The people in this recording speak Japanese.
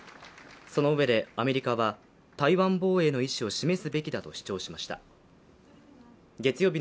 そのうえでアメリカは、台湾防衛の意思を示すべきだと主張しました。